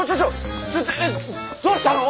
どうしたの？